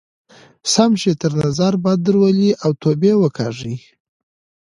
سم شی تر نظر بد درولئ او توبې وکاږئ.